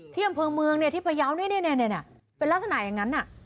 ของประเภทมืองที่พยาวเป็นลักษณะยังนั้นนะ